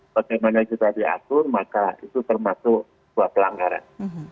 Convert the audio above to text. bagaimana kita diatur maka itu termasuk dua pelanggaran